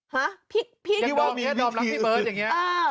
ฮะพี่พี่ดอมรักพี่เบิร์ดอย่างนี้อ่า